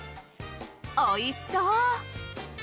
おいしそう。